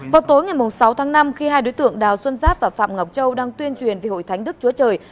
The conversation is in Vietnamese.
vào tối ngày sáu tháng năm khi hai đối tượng đào xuân giáp và phạm ngọc châu đang tuyên truyền về hội thánh đức chúa trời